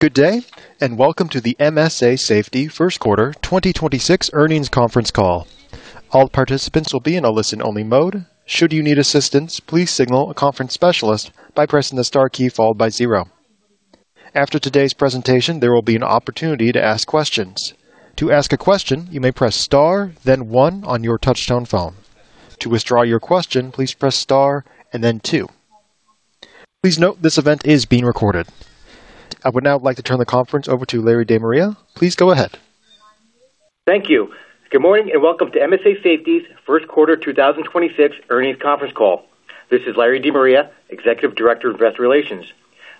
Good day, and welcome to the MSA Safety First Quarter 2026 Earnings Conference Call. All participants will be in a listen-only mode. After today's presentation, there will be an opportunity to ask questions. Please note this event is being recorded. I would now like to turn the conference over to Larry De Maria. Please go ahead. Thank you. Good morning, and welcome to MSA Safety's First Quarter 2026 Earnings Conference Call. This is Larry De Maria, Executive Director of Investor Relations.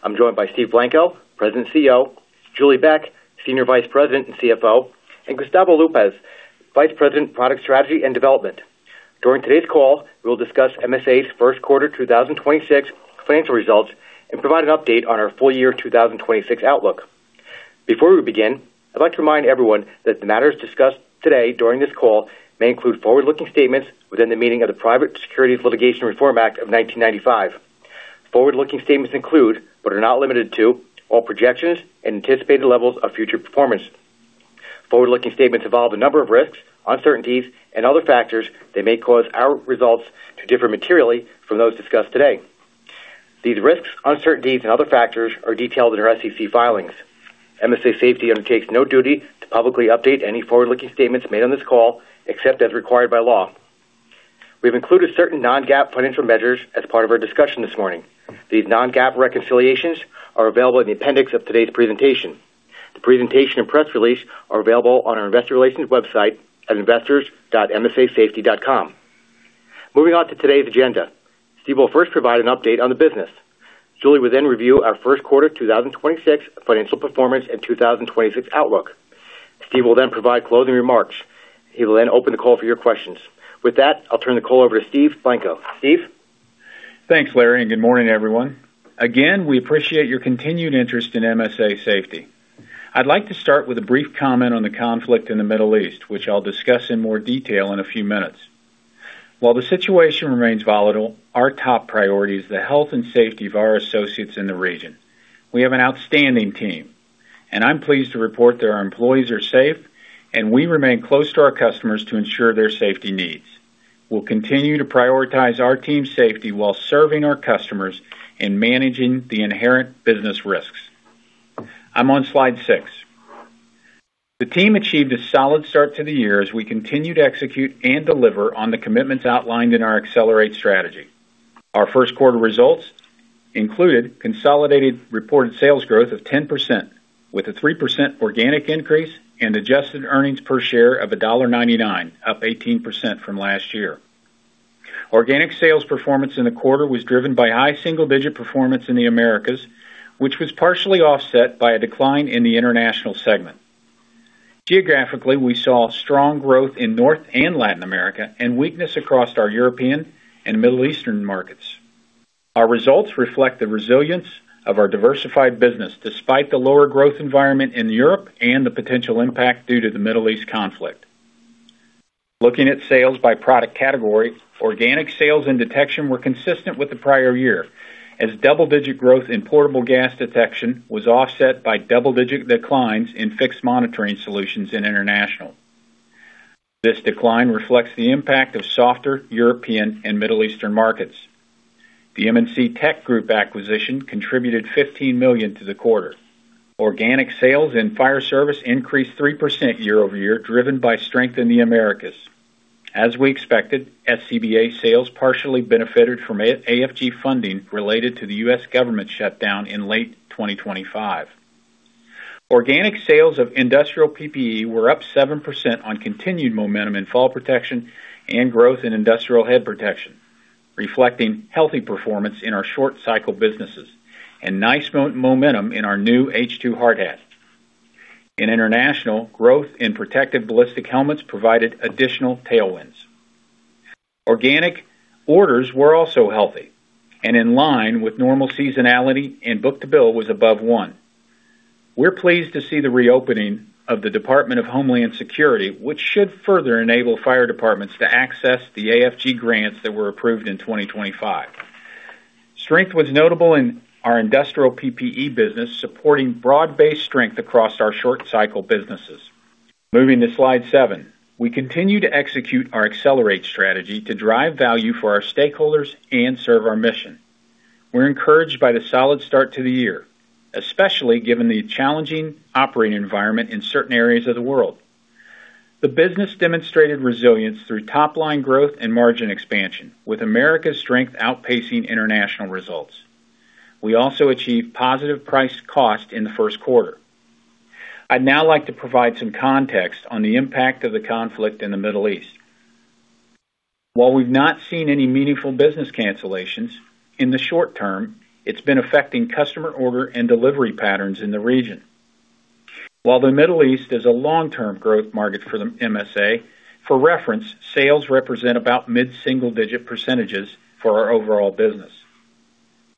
I'm joined by Steven Blanco, President and CEO; Julie Beck, Senior Vice President and CFO; and Gustavo E. Lopez, Vice President, Product Strategy and Development. During today's call, we'll discuss MSA's first quarter 2026 financial results and provide an update on our full year 2026 outlook. Before we begin, I'd like to remind everyone that the matters discussed today during this call may include forward-looking statements within the meaning of the Private Securities Litigation Reform Act of 1995. Forward-looking statements include, but are not limited to, all projections and anticipated levels of future performance. Forward-looking statements involve a number of risks, uncertainties, and other factors that may cause our results to differ materially from those discussed today. These risks, uncertainties, and other factors are detailed in our SEC filings. MSA Safety undertakes no duty to publicly update any forward-looking statements made on this call, except as required by law. We've included certain non-GAAP financial measures as part of our discussion this morning. These non-GAAP reconciliations are available in the appendix of today's presentation. The presentation and press release are available on our Investor Relations website at investors.msasafety.com. Moving on to today's agenda. Steve will first provide an update on the business. Julie will review our first quarter 2026 financial performance and 2026 outlook. Steve will provide closing remarks. He will open the call for your questions. With that, I'll turn the call over to Steve Blanco. Steve? Thanks, Larry, and good morning, everyone. Again, we appreciate your continued interest in MSA Safety. I'd like to start with a brief comment on the conflict in the Middle East, which I'll discuss in more detail in a few minutes. While the situation remains volatile, our top priority is the health and safety of our associates in the region. We have an outstanding team, and I'm pleased to report that our employees are safe, and we remain close to our customers to ensure their safety needs. We'll continue to prioritize our team's safety while serving our customers and managing the inherent business risks. I'm on slide 6. The team achieved a solid start to the year as we continued to execute and deliver on the commitments outlined in our Accelerate strategy. Our first quarter results included consolidated reported sales growth of 10% with a 3% organic increase and adjusted earnings per share of $1.99, up 18% from last year. Organic sales performance in the quarter was driven by high single-digit performance in the Americas, which was partially offset by a decline in the International segment. Geographically, we saw strong growth in North and Latin America and weakness across our European and Middle Eastern markets. Our results reflect the resilience of our diversified business despite the lower growth environment in Europe and the potential impact due to the Middle East conflict. Looking at sales by product category, organic sales and detection were consistent with the prior year as double-digit growth in portable gas detection was offset by double-digit declines in fixed monitoring solutions in International. This decline reflects the impact of softer European and Middle Eastern markets. The M&C TechGroup acquisition contributed $15 million to the quarter. Organic sales and fire service increased 3% YoY, driven by strength in the Americas. As we expected, SCBA sales partially benefited from AFG funding related to the U.S. government shutdown in late 2025. Organic sales of industrial PPE were up 7% on continued momentum in fall protection and growth in industrial head protection, reflecting healthy performance in our short cycle businesses and nice momentum in our new H2 Hard Hat. In International, growth in protective ballistic helmets provided additional tailwinds. Organic orders were also healthy and in line with normal seasonality, and book-to-bill was above one. We're pleased to see the reopening of the Department of Homeland Security, which should further enable fire departments to access the AFG grants that were approved in 2025. Strength was notable in our industrial PPE business, supporting broad-based strength across our short cycle businesses. Moving to slide seven. We continue to execute our Accelerate strategy to drive value for our stakeholders and serve our mission. We're encouraged by the solid start to the year, especially given the challenging operating environment in certain areas of the world. The business demonstrated resilience through top-line growth and margin expansion, with America's strength outpacing International results. We also achieved positive price cost in the first quarter. I'd now like to provide some context on the impact of the conflict in the Middle East. While we've not seen any meaningful business cancellations, in the short term, it's been affecting customer order and delivery patterns in the region. While the Middle East is a long-term growth market for the MSA, for reference, sales represent about mid-single digit percentages for our overall business.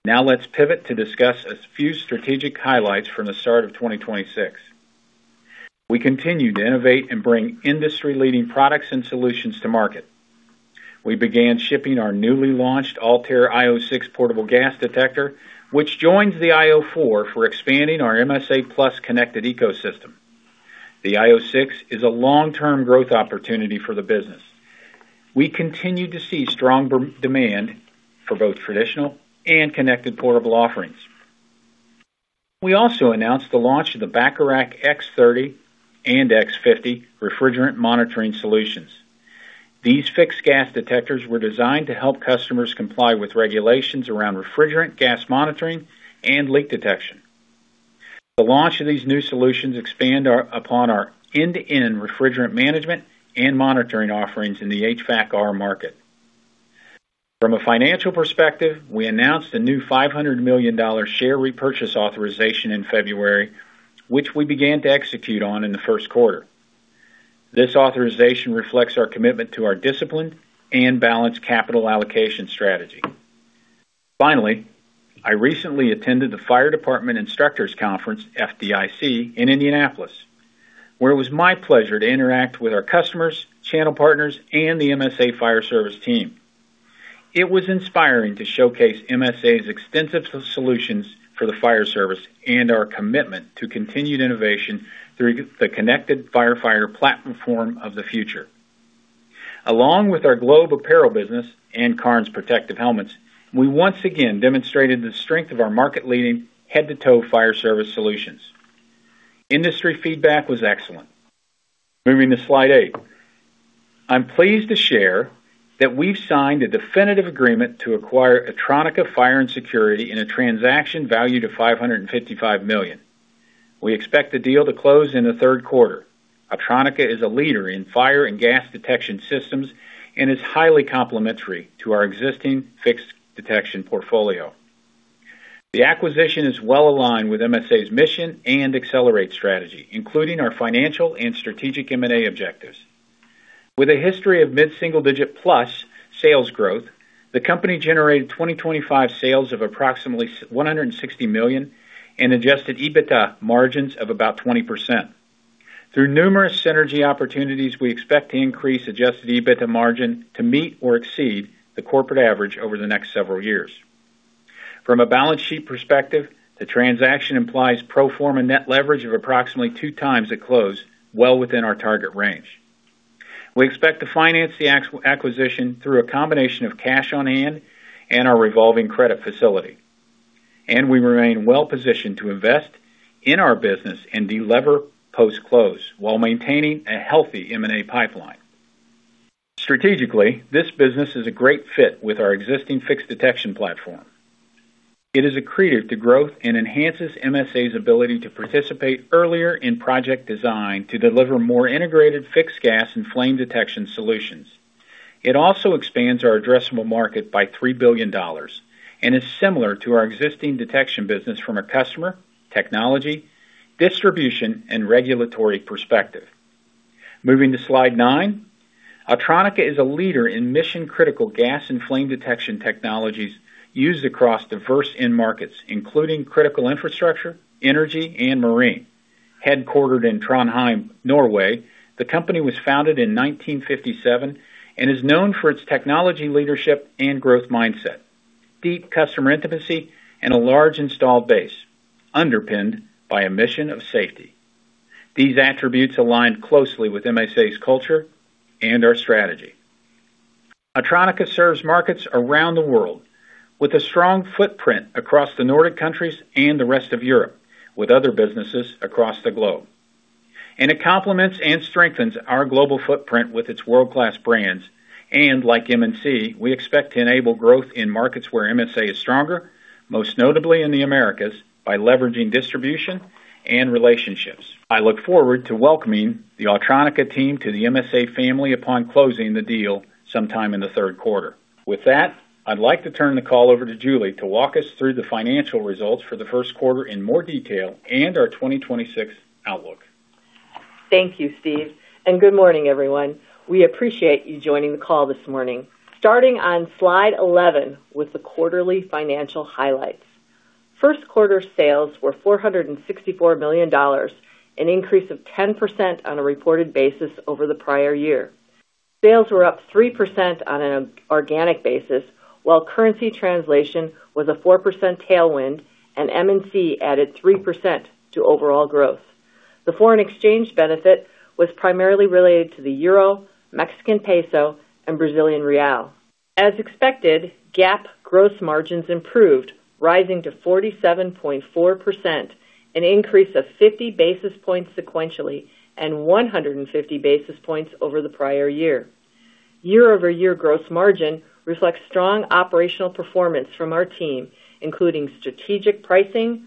Now let's pivot to discuss a few strategic highlights from the start of 2026. We continue to innovate and bring industry-leading products and solutions to market. We began shipping our newly launched ALTAIR io 6 Portable Gas Detector, which joins the io 4 for expanding our MSA+ connected ecosystem. The io 6 is a long-term growth opportunity for the business. We continue to see strong demand for both traditional and connected portable offerings. We also announced the launch of the Bacharach X30 and X50 Refrigerant Monitoring Solutions. These fixed gas detectors were designed to help customers comply with regulations around refrigerant gas monitoring and leak detection. The launch of these new solutions expand upon our end-to-end refrigerant management and monitoring offerings in the HVACR market. From a financial perspective, we announced a new $500 million share repurchase authorization in February, which we began to execute on in the first quarter. This authorization reflects our commitment to our discipline and balanced capital allocation strategy. I recently attended the Fire Department Instructors Conference, FDIC, in Indianapolis, where it was my pleasure to interact with our customers, channel partners, and the MSA Fire Service team. It was inspiring to showcase MSA's extensive solutions for the fire service and our commitment to continued innovation through the Connected Firefighter Platform. Along with our Globe Apparel business and MSA Cairns Protective Helmets, we once again demonstrated the strength of our market-leading head-to-toe fire service solutions. Industry feedback was excellent. Moving to slide eight. I'm pleased to share that we've signed a definitive agreement to acquire Autronica Fire and Security in a transaction valued at $555 million. We expect the deal to close in the third quarter. Autronica is a leader in fire and gas detection systems and is highly complementary to our existing fixed detection portfolio. The acquisition is well-aligned with MSA's mission and Accelerate strategy, including our financial and strategic M&A objectives. With a history of mid-single-digit plus sales growth, the company generated 2025 sales of approximately $160 million and Adjusted EBITDA margins of about 20%. Through numerous synergy opportunities, we expect to increase Adjusted EBITDA margin to meet or exceed the corporate average over the next several years. From a balance sheet perspective, the transaction implies pro forma net leverage of approximately 2x the close, well within our target range. We expect to finance the acquisition through a combination of cash on hand and our revolving credit facility, and we remain well positioned to invest in our business and delever post-close while maintaining a healthy M&A pipeline. Strategically, this business is a great fit with our existing fixed detection platform. It is accretive to growth and enhances MSA's ability to participate earlier in project design to deliver more integrated fixed gas and flame detection solutions. It also expands our addressable market by $3 billion and is similar to our existing detection business from a customer, technology, distribution, and regulatory perspective. Moving to slide nine. Autronica is a leader in mission-critical gas and flame detection technologies used across diverse end markets, including critical infrastructure, energy, and marine. Headquartered in Trondheim, Norway, the company was founded in 1957 and is known for its technology leadership and growth mindset, deep customer intimacy, and a large installed base underpinned by a mission of safety. These attributes align closely with MSA's culture and our strategy. Autronica serves markets around the world with a strong footprint across the Nordic countries and the rest of Europe, with other businesses across the globe. It complements and strengthens our global footprint with its world-class brands. Like M&C, we expect to enable growth in markets where MSA is stronger, most notably in the Americas, by leveraging distribution and relationships. I look forward to welcoming the Autronica team to the MSA family upon closing the deal sometime in the 3rd quarter. With that, I'd like to turn the call over to Julie to walk us through the financial results for the first quarter in more detail and our 2026 outlook. Thank you, Steve, and good morning, everyone. We appreciate you joining the call this morning. Starting on slide 11 with the quarterly financial highlights. First quarter sales were $464 million, an increase of 10% on a reported basis over the prior year. Sales were up 3% on an organic basis, while currency translation was a 4% tailwind and M&C added 3% to overall growth. The foreign exchange benefit was primarily related to the Euro, Mexican peso, and Brazilian real. As expected, GAAP gross margins improved, rising to 47.4%, an increase of 50 basis points sequentially and 150 basis points over the prior year. YoY gross margin reflects strong operational performance from our team, including strategic pricing,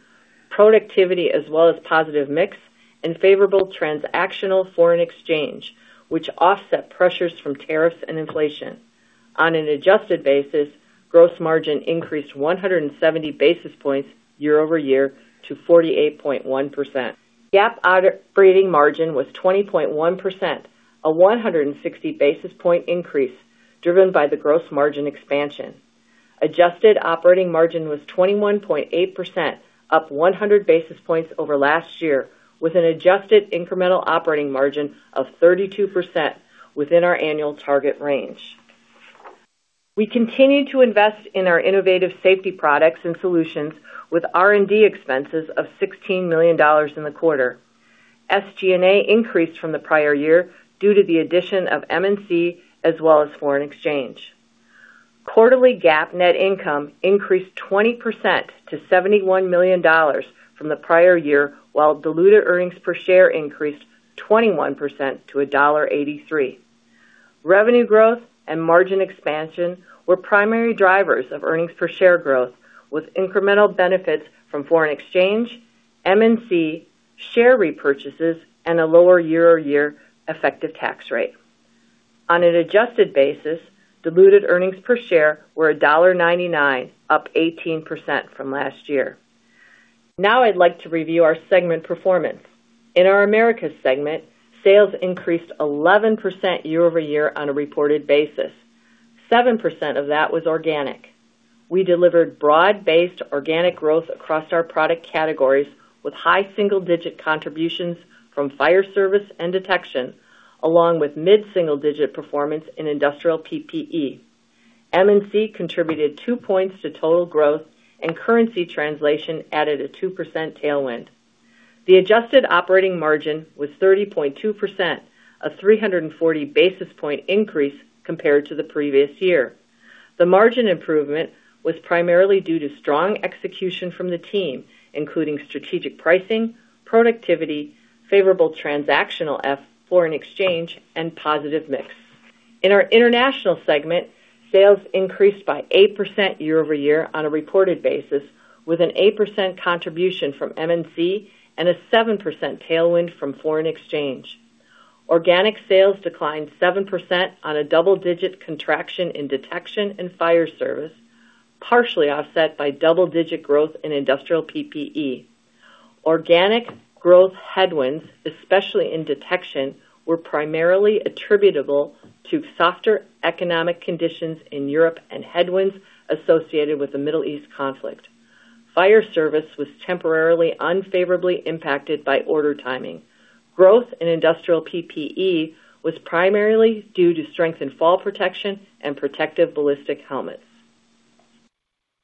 productivity, as well as positive mix and favorable transactional foreign exchange, which offset pressures from tariffs and inflation. On an adjusted basis, gross margin increased 170 basis points YoY to 48.1%. GAAP operating margin was 20.1%, a 160 basis point increase driven by the gross margin expansion. Adjusted operating margin was 21.8%, up 100 basis points over last year, with an adjusted incremental operating margin of 32% within our annual target range. We continue to invest in our innovative safety products and solutions with R&D expenses of $16 million in the quarter. SG&A increased from the prior year due to the addition of M&C as well as foreign exchange. Quarterly GAAP net income increased 20% to $71 million from the prior year, while diluted earnings per share increased 21% to $1.83. Revenue growth and margin expansion were primary drivers of earnings per share growth, with incremental benefits from foreign exchange, M&C, share repurchases and a lower YoY effective tax rate. On an adjusted basis, diluted earnings per share were $1.99, up 18% from last year. I'd like to review our segment performance. In our Americas segment, sales increased 11% YoY on a reported basis. 7% of that was organic. We delivered broad-based organic growth across our product categories with high single-digit contributions from fire service and detection, along with mid-single-digit performance in industrial PPE. M&C contributed 2 points to total growth and currency translation added a 2% tailwind. The adjusted operating margin was 30.2%, a 340 basis point increase compared to the previous year. The margin improvement was primarily due to strong execution from the team, including strategic pricing, productivity, favorable transactional foreign exchange, and positive mix. In our International segment, sales increased by 8% YoY on a reported basis, with an 8% contribution from M&C and a 7% tailwind from foreign exchange. Organic sales declined 7% on a double-digit contraction in detection and fire service, partially offset by double-digit growth in industrial PPE. Organic growth headwinds, especially in detection, were primarily attributable to softer economic conditions in Europe and headwinds associated with the Middle East conflict. Fire service was temporarily unfavorably impacted by order timing. Growth in industrial PPE was primarily due to strength in fall protection and protective ballistic helmets.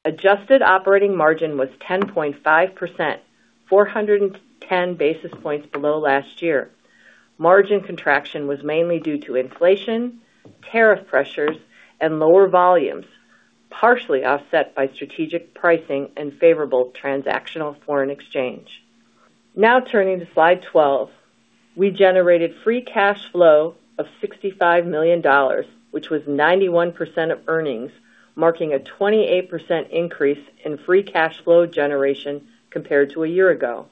Adjusted operating margin was 10.5%, 410 basis points below last year. Margin contraction was mainly due to inflation, tariff pressures, and lower volumes, partially offset by strategic pricing and favorable transactional foreign exchange. Now turning to slide 12. We generated free cash flow of $65 million, which was 91% of earnings, marking a 28% increase in free cash flow generation compared to a year ago.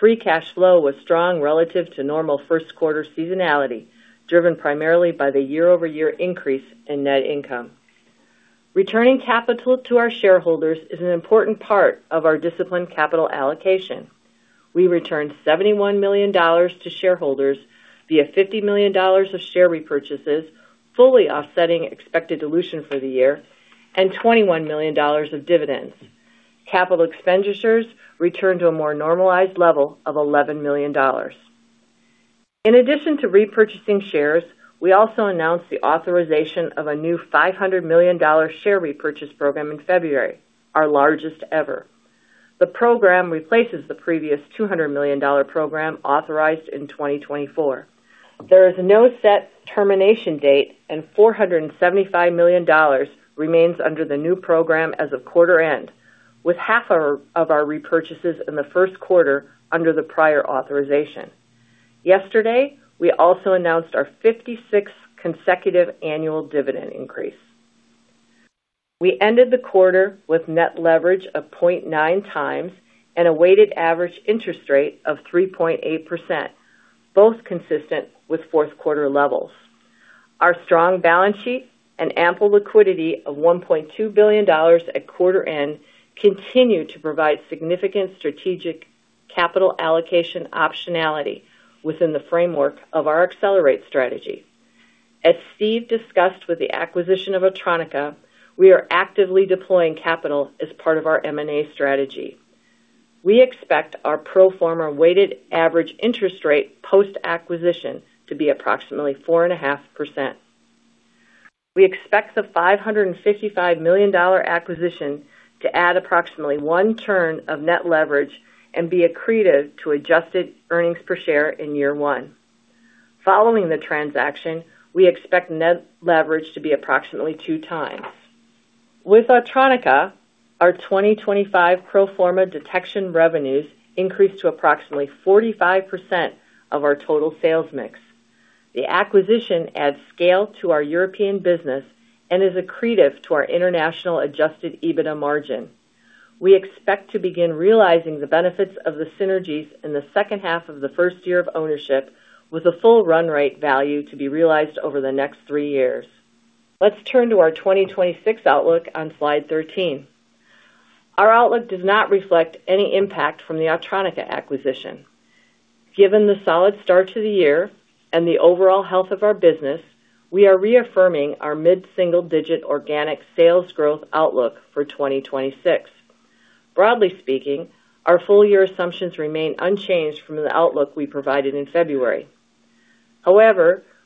Free cash flow was strong relative to normal first quarter seasonality, driven primarily by the YoY increase in net income. Returning capital to our shareholders is an important part of our disciplined capital allocation. We returned $71 million to shareholders via $50 million of share repurchases, fully offsetting expected dilution for the year, and $21 million of dividends. Capital expenditures returned to a more normalized level of $11 million. In addition to repurchasing shares, we also announced the authorization of a new $500 million share repurchase program in February, our largest ever. The program replaces the previous $200 million program authorized in 2024. There is no set termination date, and $475 million remains under the new program as of quarter end, with half of our repurchases in the first quarter under the prior authorization. Yesterday, we also announced our 56th consecutive annual dividend increase. We ended the quarter with net leverage of 0.9x and a weighted average interest rate of 3.8%, both consistent with fourth quarter levels. Our strong balance sheet and ample liquidity of $1.2 billion at quarter end continue to provide significant strategic capital allocation optionality within the framework of our Accelerate strategy. As Steve discussed with the acquisition of Autronica, we are actively deploying capital as part of our M&A strategy. We expect our pro forma weighted average interest rate post-acquisition to be approximately 4.5%. We expect the $555 million acquisition to add approximately 1 turn of net leverage and be accretive to Adjusted earnings per share in year 1. Following the transaction, we expect net leverage to be approximately 2x. With Autronica, our 2025 pro forma detection revenues increased to approximately 45% of our total sales mix. The acquisition adds scale to our European business and is accretive to our International Adjusted EBITDA margin. We expect to begin realizing the benefits of the synergies in the second half of the first year of ownership, with a full run rate value to be realized over the next three years. Let's turn to our 2026 outlook on slide 13. Our outlook does not reflect any impact from the Autronica acquisition. Given the solid start to the year and the overall health of our business, we are reaffirming our mid-single-digit organic sales growth outlook for 2026. Broadly speaking, our full year assumptions remain unchanged from the outlook we provided in February.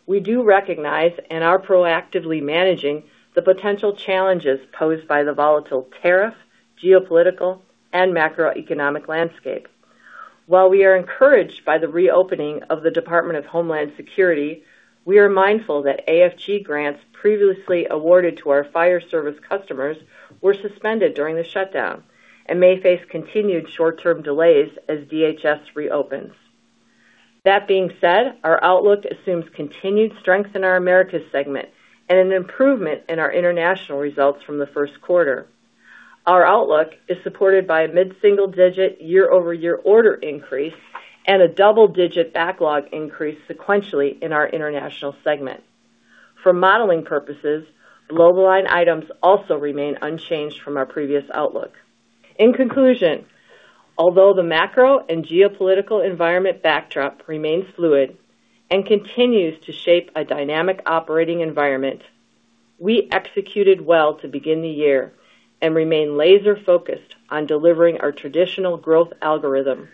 We do recognize and are proactively managing the potential challenges posed by the volatile tariff, geopolitical and macroeconomic landscape. While we are encouraged by the reopening of the Department of Homeland Security, we are mindful that AFG grants previously awarded to our fire service customers were suspended during the shutdown and may face continued short-term delays as DHS reopens. That being said, our outlook assumes continued strength in our Americas segment and an improvement in our International results from the first quarter. Our outlook is supported by a mid-single digit YoY order increase and a double-digit backlog increase sequentially in our International segment. For modeling purposes, low-volume items also remain unchanged from our previous outlook. In conclusion, although the macro and geopolitical environment backdrop remains fluid and continues to shape a dynamic operating environment, we executed well to begin the year and remain laser-focused on delivering our traditional growth algorithm,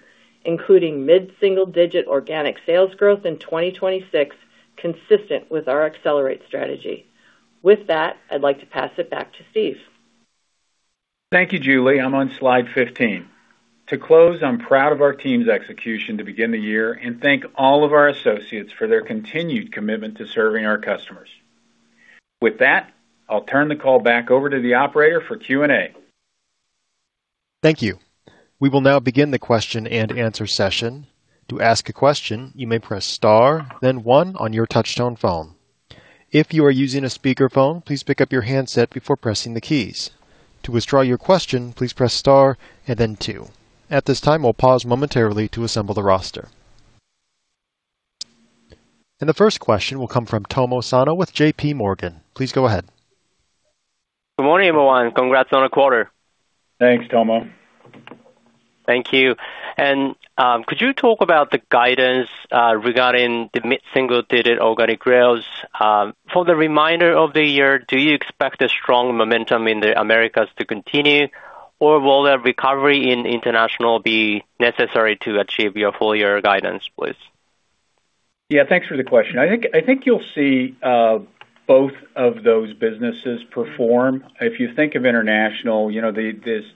including mid-single digit organic sales growth in 2026 consistent with our accelerate strategy. With that, I'd like to pass it back to Steve. Thank you, Julie. I'm on slide 15. To close, I'm proud of our team's execution to begin the year and thank all of our associates for their continued commitment to serving our customers. With that, I'll turn the call back over to the operator for Q&A. Thank you. We will now begin the question-and-answer session. To ask a question, you may press star, then one on your touch-tone phone. If you are using a speakerphone, please pick up your handset before pressing the keys. To withdraw your question, please press star and then two. At this time, we will pause momentarily to assemble the roster. The first question will come from Tomohiko Sano with J.P. Morgan. Please go ahead. Good morning, everyone. Congrats on the quarter. Thanks, Tomo. Thank you. Could you talk about the guidance regarding the mid-single digit organic growth for the remainder of the year? Do you expect a strong momentum in the Americas to continue, or will the recovery in International be necessary to achieve your full year guidance, please? Yeah. Thanks for the question. I think you'll see both of those businesses perform. If you think of International, you know, the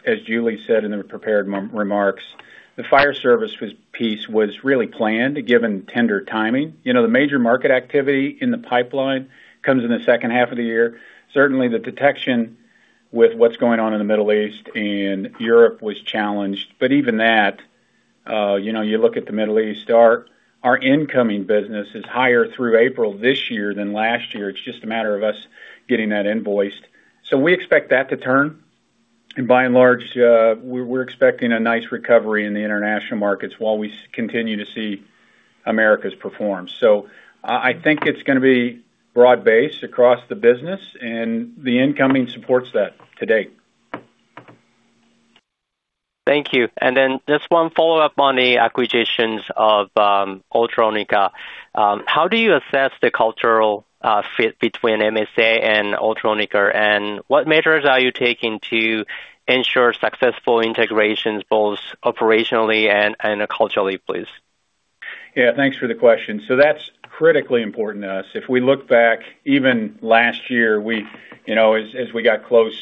as Julie said in the prepared remarks, the fire service piece was really planned, given tender timing. You know, the major market activity in the pipeline comes in the 2nd half of the year. Certainly, the detection with what's going on in the Middle East and Europe was challenged. Even that, you know, you look at the Middle East start, our incoming business is higher through April this year than last year. It's just a matter of us getting that invoiced. We expect that to turn. By and large, we're expecting a nice recovery in the international markets while we continue to see Americas performance. I think it's gonna be broad-based across the business and the incoming supports that to date. Thank you. Then just one follow-up on the acquisitions of Autronica. How do you assess the cultural fit between MSA and Autronica? What measures are you taking to ensure successful integrations, both operationally and culturally, please? Yeah. Thanks for the question. That's critically important to us. If we look back even last year, we, you know, as we got close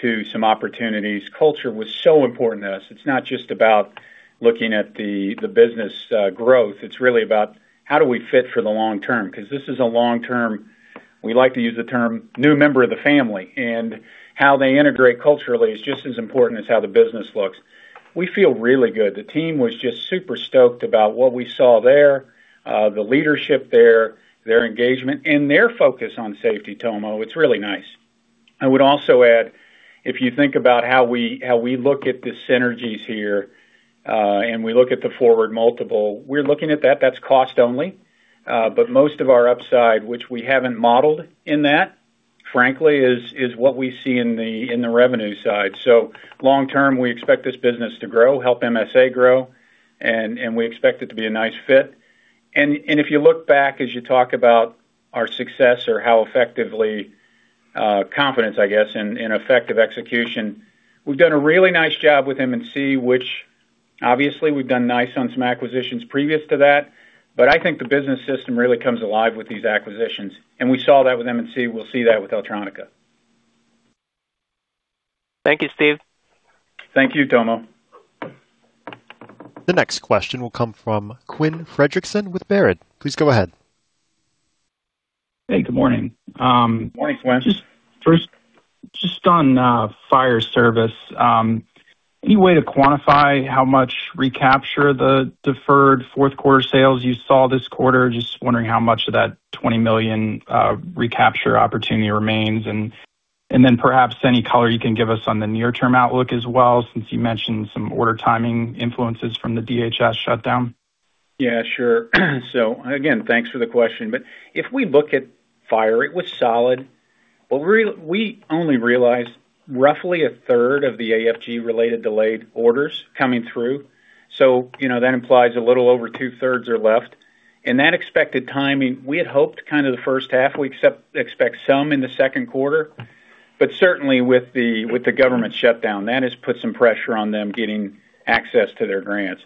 to some opportunities, culture was so important to us. It's not just about looking at the business growth. It's really about how do we fit for the long term, 'cause this is a long-term, we like to use the term new member of the family, and how they integrate culturally is just as important as how the business looks. We feel really good. The team was just super stoked about what we saw there, the leadership there, their engagement and their focus on safety, Tomo. It's really nice. I would also add, if you think about how we look at the synergies here, and we look at the forward multiple, we're looking at that's cost only. Most of our upside, which we haven't modeled in that, frankly, is what we see in the revenue side. Long term, we expect this business to grow, help MSA grow, and we expect it to be a nice fit. If you look back as you talk about our success or how effectively, confidence, I guess, in effective execution, we've done a really nice job with M&C, which obviously we've done nice on some acquisitions previous to that. I think the business system really comes alive with these acquisitions. We saw that with M&C. We'll see that with Autronica. Thank you, Steve. Thank you, Tomo. The next question will come from Quinn Fredrickson with Baird. Please go ahead. Hey, good morning. Morning, Quinn. Just first, just on fire service. Any way to quantify how much recapture the deferred fourth quarter sales you saw this quarter? Just wondering how much of that $20 million recapture opportunity remains. Then perhaps any color you can give us on the near-term outlook as well, since you mentioned some order timing influences from the DHS shutdown. Yeah, sure. Again, thanks for the question. If we look at fire, it was solid. We only realized roughly a third of the AFG-related delayed orders coming through. You know, that implies a little over two-thirds are left. That expected timing, we had hoped kind of the first half. We expect some in the second quarter. Certainly, with the government shutdown, that has put some pressure on them getting access to their grants.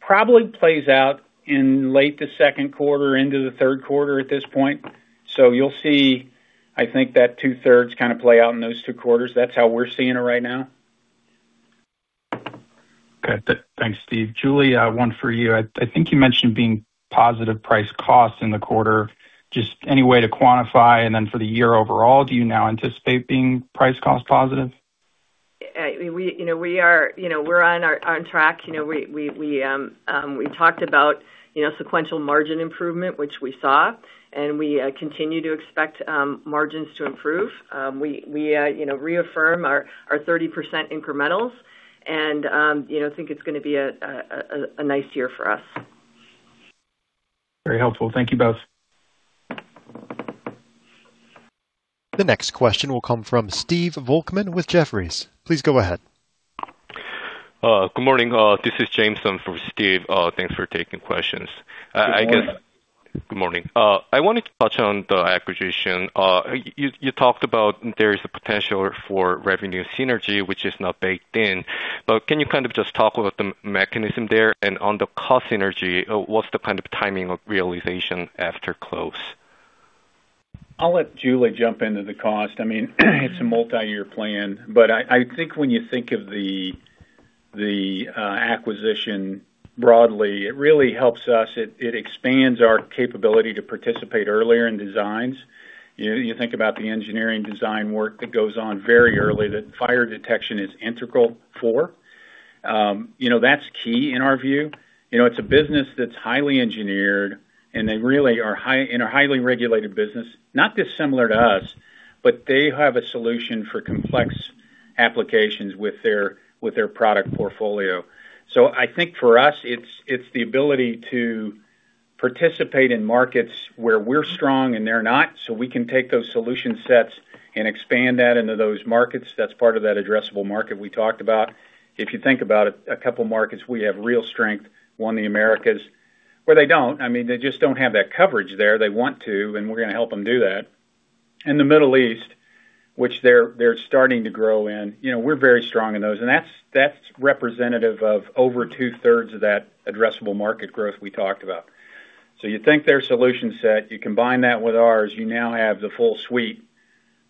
Probably plays out in late the second quarter into the third quarter at this point. You'll see, I think that two-thirds kind of play out in those two quarters. That's how we're seeing it right now. Okay. Thanks, Steve. Julie, one for you. I think you mentioned being positive price cost in the quarter. Just any way to quantify, and then for the year overall, do you now anticipate being price cost positive? We, you know, we are, you know, we're on our, on track. You know, we talked about, you know, sequential margin improvement, which we saw, and we continue to expect margins to improve. We, you know, reaffirm our 30% incrementals and, you know, think it's gonna be a nice year for us. Very helpful. Thank you both. The next question will come from Stephen Volkmann with Jefferies. Please go ahead. Good morning. This is Jamieson for Stephen. Thanks for taking questions. Good morning. I guess Good morning. I wanted to touch on the acquisition. You talked about there is a potential for revenue synergy, which is not baked in. Can you kind of just talk about the mechanism there and on the cost synergy, what's the kind of timing of realization after close? I'll let Julie jump into the cost. I mean, it's a multi-year plan. I think when you think of the acquisition broadly, it really helps us. It expands our capability to participate earlier in designs. You know, you think about the engineering design work that goes on very early, that fire detection is integral for. You know, that's key in our view. You know, it's a business that's highly engineered, and they really are in a highly regulated business. Not dissimilar to us, but they have a solution for complex applications with their product portfolio. I think for us, it's the ability to participate in markets where we're strong and they're not, so we can take those solution sets and expand that into those markets. That's part of that addressable market we talked about. If you think about it, a couple markets, we have real strength. One, the Americas, where they don't. I mean, they just don't have that coverage there. They want to, and we're gonna help them do that. In the Middle East, which they're starting to grow in. You know, we're very strong in those. That's representative of over 2/3 of that addressable market growth we talked about. You take their solution set, you combine that with ours, you now have the full suite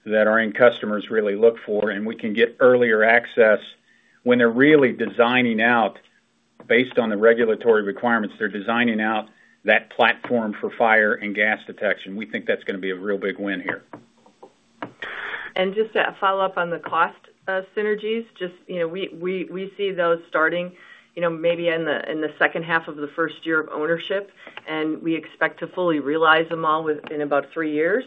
that our end customers really look for, and we can get earlier access when they're really designing out based on the regulatory requirements. They're designing out that platform for fire and gas detection. We think that's gonna be a real big win here. Just to follow up on the cost synergies, just, you know, we see those starting, you know, maybe in the 2nd half of the 1st year of ownership, and we expect to fully realize them all in about three years.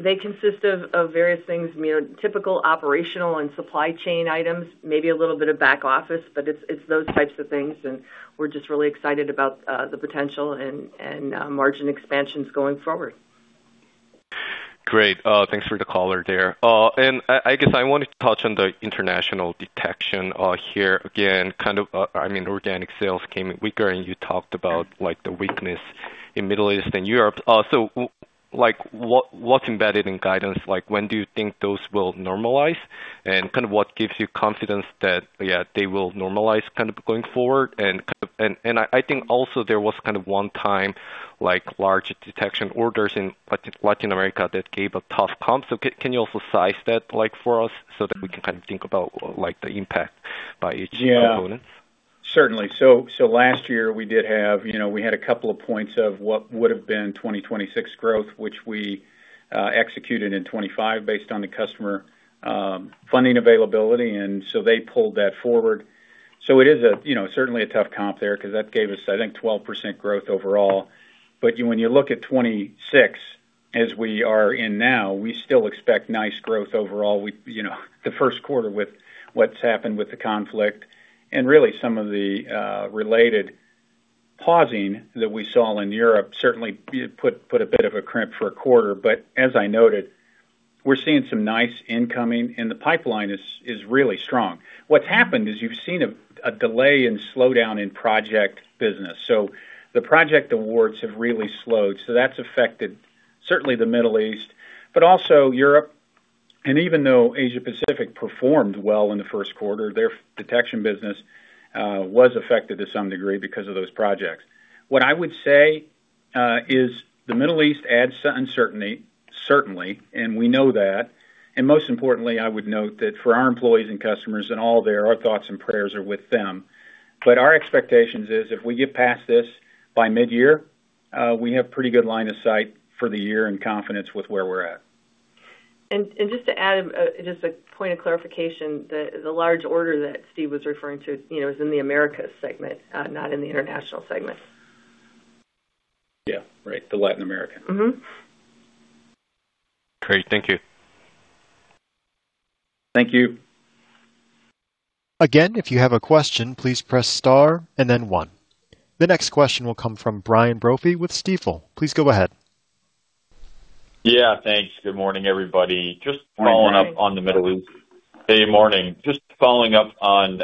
They consist of various things. You know, typical operational and supply chain items, maybe a little bit of back office, but it's those types of things, and we're just really excited about the potential and margin expansions going forward. Great. Thanks for the color there. I guess I wanted to touch on the International detection here again. I mean, organic sales came weaker, you talked about, like, the weakness in Middle East and Europe. Like, what's embedded in guidance? Like, when do you think those will normalize? Kind of what gives you confidence that, yeah, they will normalize kind of going forward? I think also there was kind of one time, like, large detection orders in Latin America that gave a tough comp. Can you also size that, like, for us so that we can kind of think about, like, the impact by each component? Yeah. Certainly. Last year, we did have, you know, we had a couple of points of what would have been 2026 growth, which we executed in 25 based on the customer funding availability, they pulled that forward. It is a, you know, certainly a tough comp there 'cause that gave us, I think, 12% growth overall. When you look at 26, as we are in now, we still expect nice growth overall. We, you know, the 1st quarter with what's happened with the conflict and really some of the related pausing that we saw in Europe certainly put a bit of a crimp for a quarter. As I noted, we're seeing some nice incoming, and the pipeline is really strong. What's happened is you've seen a delay and slowdown in project business. The project awards have really slowed. That's affected certainly the Middle East, but also Europe. Even though Asia Pacific performed well in the first quarter, their detection business was affected to some degree because of those projects. I would say the Middle East adds to uncertainty, certainly, and we know that. Most importantly, I would note that for our employees and customers and all there, our thoughts and prayers are with them. Our expectations is if we get past this by midyear, we have pretty good line of sight for the year and confidence with where we're at. Just to add, just a point of clarification. The large order that Steve was referring to, you know, is in the Americas segment, not in the International segment. Yeah. Right. The Latin America. Great. Thank you. Thank you. Again, if you have a question, please press star and then one. The next question will come from Brian Brophy with Stifel. Please go ahead. Yeah, thanks. Good morning, everybody. Just following up on the Middle East. Hey, morning. Just following up on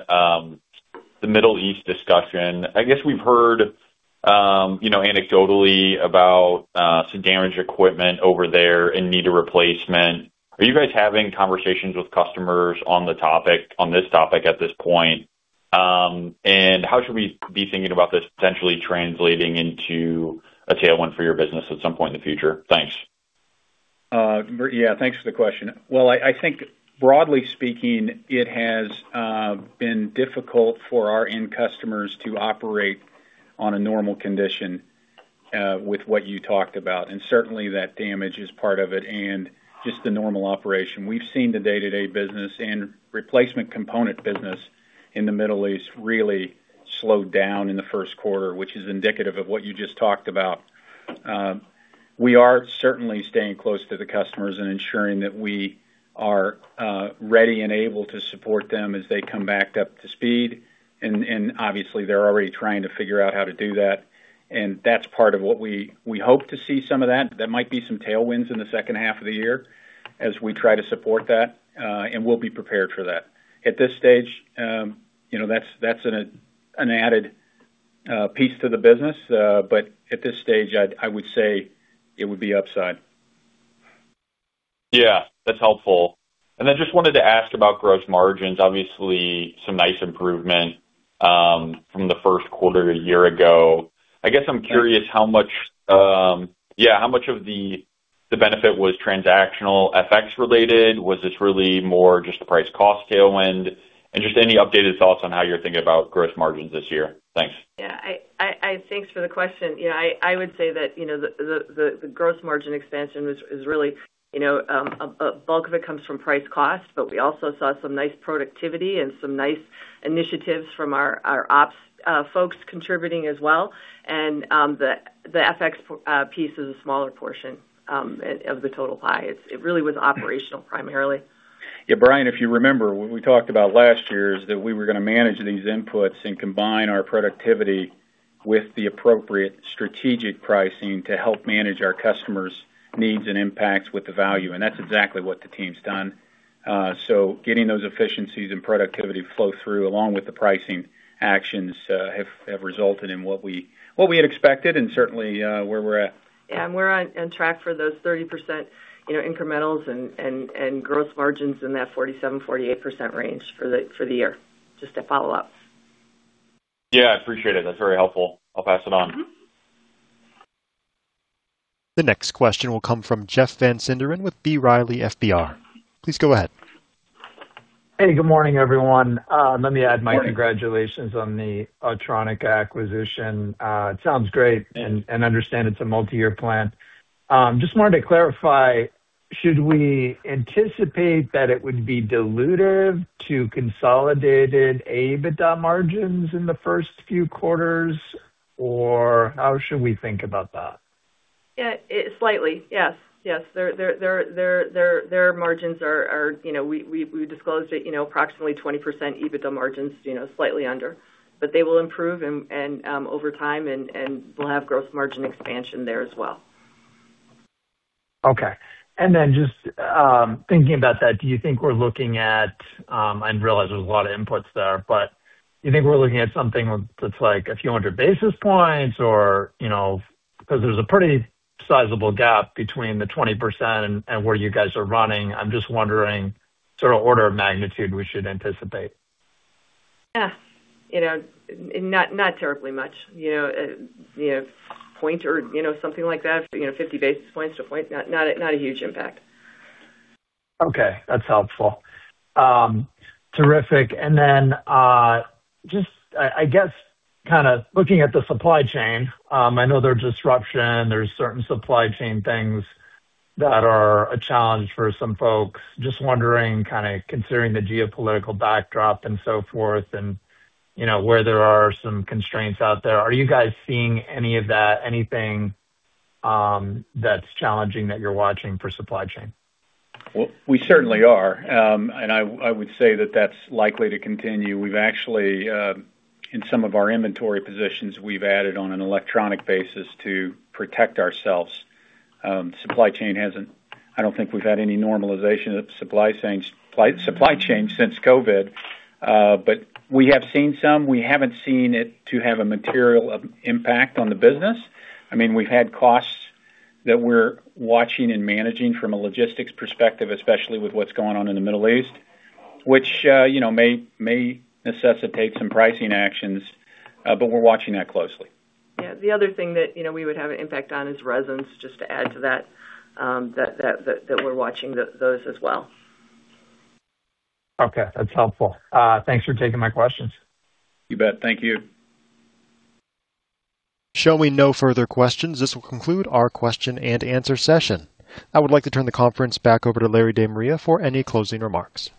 the Middle East discussion. I guess we've heard, you know, anecdotally about some damaged equipment over there in need of replacement. Are you guys having conversations with customers on this topic at this point? How should we be thinking about this potentially translating into a tailwind for your business at some point in the future? Thanks. Yeah, thanks for the question. Well, I think broadly speaking, it has been difficult for our end customers to operate on a normal condition with what you talked about, and certainly that damage is part of it and just the normal operation. We've seen the day-to-day business and replacement component business in the Middle East really slow down in the first quarter, which is indicative of what you just talked about. We are certainly staying close to the customers and ensuring that we are ready and able to support them as they come back up to speed. Obviously they're already trying to figure out how to do that. That's part of what we hope to see some of that. That might be some tailwinds in the second half of the year as we try to support that. We'll be prepared for that. At this stage, you know, that's an added piece to the business. At this stage, I would say it would be upside. Yeah, that's helpful. Then just wanted to ask about gross margins. Obviously, some nice improvement from the first quarter a year ago. I guess I'm curious how much, yeah, how much of the benefit was transactional effects related? Was this really more just the price cost tailwind? Just any updated thoughts on how you're thinking about gross margins this year? Thanks. Yeah, I, thanks for the question. Yeah, I would say that, you know, the gross margin expansion is really, you know, a bulk of it comes from price cost, but we also saw some nice productivity and some nice initiatives from our ops folks contributing as well. The FX piece is a smaller portion of the total pie. It really was operational primarily. Yeah, Brian, if you remember, what we talked about last year is that we were gonna manage these inputs and combine our productivity with the appropriate strategic pricing to help manage our customers' needs and impacts with the value, and that's exactly what the team's done. Getting those efficiencies and productivity flow through, along with the pricing actions, have resulted in what we, what we had expected and certainly, where we're at. Yeah, we're on track for those 30%, you know, incrementals and gross margins in that 47%-48% range for the year. Just to follow up. Yeah, I appreciate it. That's very helpful. I'll pass it on. The next question will come from Jeff Van Sinderen with B. Riley FBR. Please go ahead. Hey, good morning, everyone. Morning. Congratulations on the Autronica acquisition. It sounds great and understand it's a multi-year plan. Just wanted to clarify, should we anticipate that it would be dilutive to consolidated EBITDA margins in the first few quarters, or how should we think about that? Yeah, slightly. Yes. Their margins are, you know, we disclosed it, you know, approximately 20% EBITDA margins, you know, slightly under. They will improve and over time and we'll have gross margin expansion there as well. Okay. Just, thinking about that, do you think we're looking at, I realize there's a lot of inputs there, but you think we're looking at something that's like a few hundred basis points or, you know, 'cause there's a pretty sizable gap between the 20% and where you guys are running. I'm just wondering sort of order of magnitude we should anticipate. Yeah. You know, not terribly much. You know, 1 point or, you know, something like that, you know, 50 basis points to 1 point. Not a huge impact. Okay, that's helpful. Terrific. Just I guess kind of looking at the supply chain, I know there's disruption, there's certain supply chain things that are a challenge for some folks. Just wondering, kind of considering the geopolitical backdrop and so forth and, you know, where there are some constraints out there, are you guys seeing any of that, anything that's challenging that you're watching for supply chain? Well, we certainly are. I would say that that's likely to continue. We've actually, in some of our inventory positions, we've added on an electronic basis to protect ourselves. I don't think we've had any normalization of supply chains, supply chain since COVID. We have seen some. We haven't seen it to have a material impact on the business. I mean, we've had costs that we're watching and managing from a logistics perspective, especially with what's going on in the Middle East, which, you know, may necessitate some pricing actions. We're watching that closely. Yeah. The other thing that, you know, we would have an impact on is resins, just to add to that we're watching those as well. Okay. That's helpful. Thanks for taking my questions. You bet. Thank you. Showing no further questions, this will conclude our question and answer session. I would like to turn the conference back over to Larry De Maria for any closing remarks.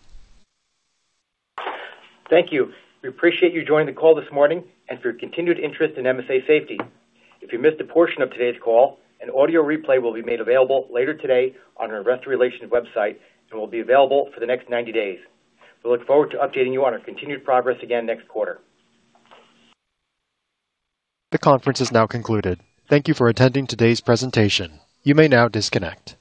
Thank you. We appreciate you joining the call this morning and for your continued interest in MSA Safety. If you missed a portion of today's call, an audio replay will be made available later today on our Investor Relations website and will be available for the next 90 days. We look forward to updating you on our continued progress again next quarter. The conference is now concluded. Thank you for attending today's presentation. You may now disconnect.